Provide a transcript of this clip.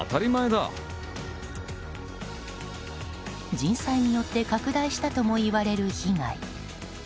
人災によって拡大したともいわれる被害。